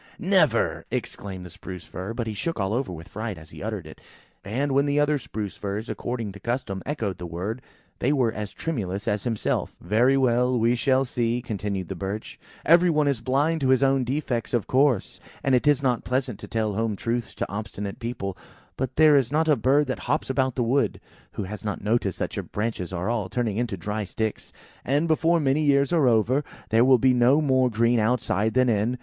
"Never!" exclaimed the Spruce fir; but he shook all over with fright as he uttered it. And when the other Spruce firs, according to custom, echoed the word, they were as tremulous as himself. "Very well, we shall see," continued the Birch. "Every one is blind to his own defects, of course; and it is not pleasant to tell home truths to obstinate people. But there is not a bird that hops about the wood, who has not noticed that your branches are all turning into dry sticks; and before many years are over, there will be no more green outside than in.